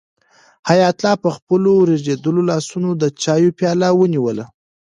حیات الله په خپلو ریږېدلو لاسونو د چایو پیاله ونیوله.